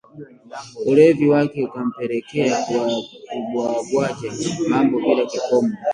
Ulevi wake ukampelekea kubwabwaja mambo bila kikomo